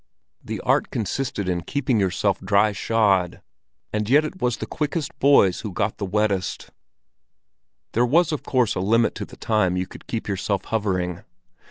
The art consisted in keeping yourself dryshod, and yet it was the quickest boys who got wettest. There was of course a limit to the time you could keep yourself hovering.